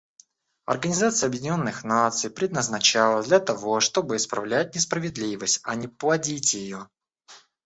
Организация Объединенных Наций предназначалась для того, чтобы исправлять несправедливость, а не плодить ее.